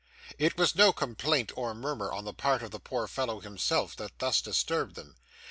It was no complaint or murmur on the part of the poor fellow himself that thus disturbed them.